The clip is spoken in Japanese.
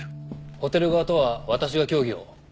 ホテル側とは私が協議を。